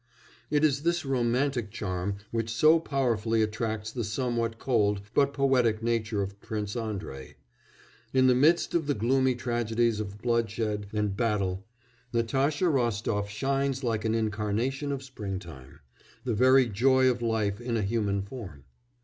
It is this romantic charm which so powerfully attracts the somewhat cold but poetic nature of Prince Andrei. In the midst of the gloomy tragedies of bloodshed and battle Natasha Rostof shines like an incarnation of springtime, the very joy of life in a human form.